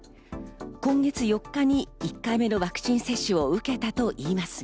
今月４日に１回目のワクチン接種を受けたといいますが。